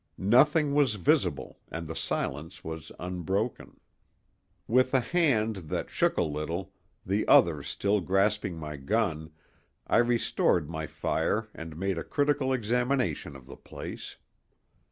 Nothing was visible and the silence was unbroken. With a hand that shook a little, the other still grasping my gun, I restored my fire and made a critical examination of the place.